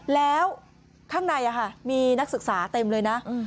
แล้วข้างในมีนักศึกษาเต็มเลยนะ